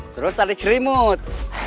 terus tadi krimut